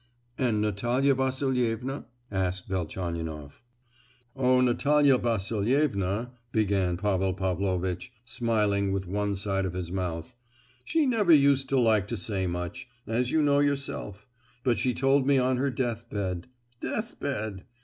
"And Natalia Vasilievna?" asked Velchaninoff. "Oh, Natalia Vasilievna—" began Pavel Pavlovitch, smiling with one side of his mouth; "she never used to like to say much—as you know yourself; but she told me on her deathbed—deathbed!